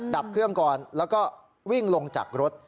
ดับเครื่องก่อนแล้วก็วิ่งลงจากรถ